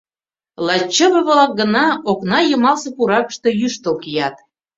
Лач чыве-влак гына окна йымалсе пуракыште йӱштыл кият.